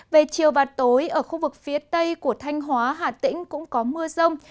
về chiều và tối ở khu vực phía tây của thanh hóa hà tĩnh cũng có mưa rông